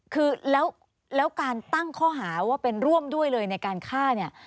คือแล้วการตั้งข้อหาว่าเป็นร่วมด้วยเลยในการฆ่าเนี่ย